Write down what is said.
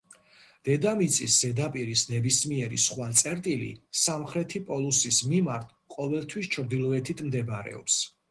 დედამიწის ზედაპირის ნებისმიერი სხვა წერტილი სამხრეთი პოლუსის მიმართ ყოველთვის ჩრდილოეთით მდებარეობს.